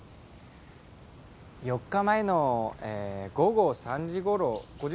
４日前の午後３時頃ご住職